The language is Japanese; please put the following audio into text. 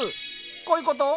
こういうこと？